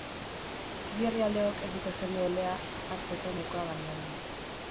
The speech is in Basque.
Bi herrialdeok ez dute jende oldea hartzeko nahikoa baliabide.